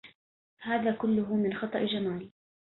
هذا كله من خطأ جمال.